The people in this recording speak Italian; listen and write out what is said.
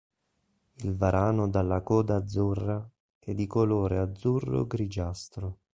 Il varano dalla coda azzurra è di colore azzurro-grigiastro.